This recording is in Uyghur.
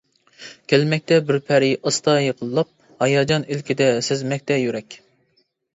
كەلمەكتە بىر پەرى ئاستا يېقىنلاپ، ھاياجان ئىلكىدە سەزمەكتە يۈرەك.